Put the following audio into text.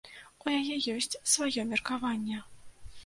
У яе ёсць сваё меркаванне.